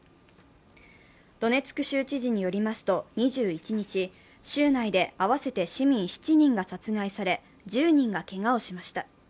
ドネツク州知事によりますと、２１日、州内で合わせて市民７人が殺害され１０人がけがをしました。